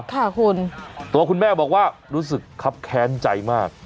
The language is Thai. ค่ะคุณตัวคุณแม่บอกว่ารู้สึกครับแค้นใจมาก